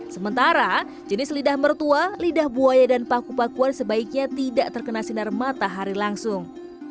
sementara jenis lidah mertua lidah buaya dan paku pakuan sebaiknya tidak terkena sinar matahari langsung